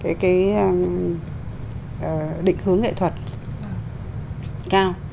cái cái định hướng nghệ thuật cao